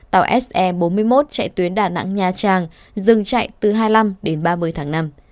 tàu se bốn mươi một chạy tuyến đà nẵng nha trang dừng chạy từ hai mươi năm đến ba mươi tháng năm